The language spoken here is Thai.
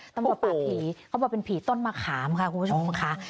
ตำรวจปากผีเขาบอกเป็นผีต้นมะขามค่ะคุณผู้ชมค่ะ